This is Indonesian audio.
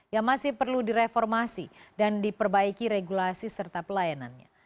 yang masih perlu direformasi dan diperbaiki regulasi serta pelayanannya